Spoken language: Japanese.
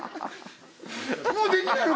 もうできないのか？